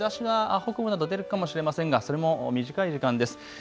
一部日ざしが北部など出るかもしれませんがそれも短い時間です。